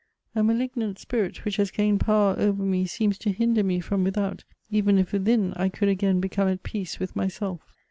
A malignant spirit which has gained power over me seems to hinder me from without, even if within I could again become at peace with myself.